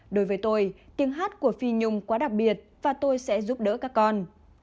đối với tôi tiếng hát của phi nhung quá đặc biệt và tôi sẽ giúp đỡ các con